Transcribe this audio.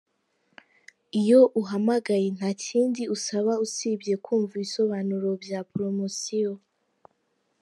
Iyo uhamagaye nta kindi usabwa usibye kumva ibisobanuro bya poromosiyo .